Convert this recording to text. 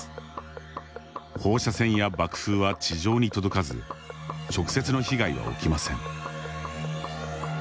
放射線や爆風は地上に届かず直接の被害は起きません。